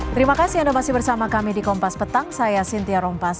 terima kasih anda masih bersama kami di kompas petang saya sintia rompas